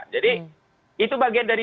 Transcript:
jadi itu bagian dari